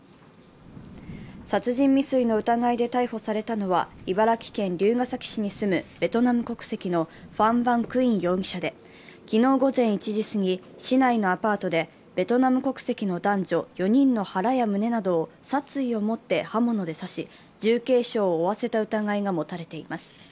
殺人未遂の疑い逮捕されたのは、茨城県龍ケ崎市に住むベトナム国籍のファン・ヴァン・クィン容疑者で、昨日午前１時すぎ、市内のアパートで、ベトナム国籍の男女４人の腹や胸などを殺意をもって刃物で刺し、重軽傷を負わせた疑い持たれています。